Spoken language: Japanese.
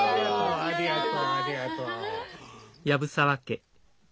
ありがとうありがとう。